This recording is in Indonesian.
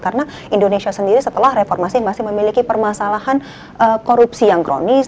karena indonesia sendiri setelah reformasi masih memiliki permasalahan korupsi yang kronis